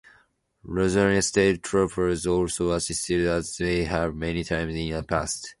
Louisiana State troopers also assisted, as they have many times in the past.